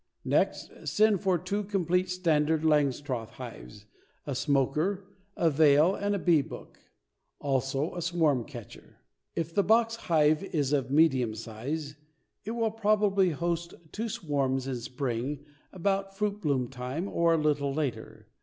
Next send for two complete standard Langstroth hives, a smoker, a veil and a bee book; also a swarm catcher. If the box hive is of a medium size it will probably east two swarms in spring about fruit bloom time or a little later.